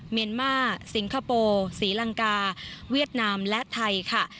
เมียนมาสิงคโปร์ศรีลังกาเวียดนามและไทยค่ะ